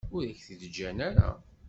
Ur ak-t-id-ǧǧan ara.